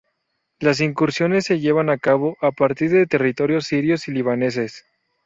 Las incursiones se llevaron a cabo a partir de territorios sirios y libaneses.